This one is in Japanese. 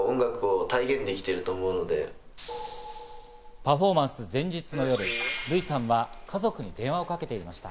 パフォーマンス前日の夜、ルイさんは家族に電話をかけていました。